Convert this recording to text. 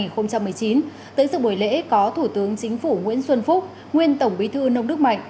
tới sự buổi lễ có thủ tướng chính phủ nguyễn xuân phúc nguyên tổng bí thư nông đức mạnh